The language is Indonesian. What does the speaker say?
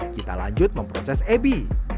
kita lanjut memproses ebi